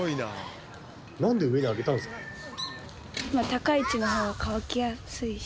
高い位置の方が乾きやすいし。